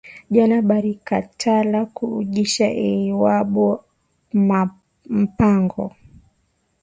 Jana barikatala ku ujisha lwabo ma mpango